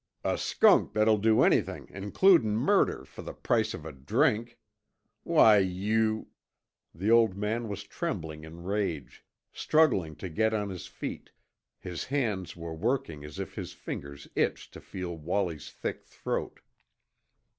"A skunk that'll do anything includin' murder fer the price of a drink! Why you " The old man was trembling in rage, struggling to get on his feet; his hands were working as if his fingers itched to feel Wallie's thick throat.